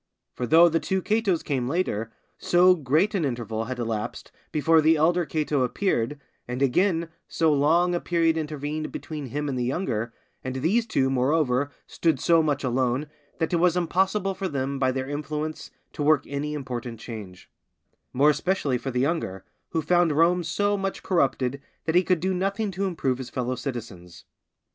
For though the two Catos came later, so great an interval had elapsed before the elder Cato appeared, and again, so long a period intervened between him and the younger, and these two, moreover, stood so much alone, that it was impossible for them, by their influence, to work any important change; more especially for the younger, who found Rome so much corrupted that he could do nothing to improve his fellow citizens.